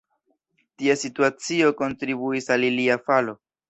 Tia situacio kontribuis al ilia falo.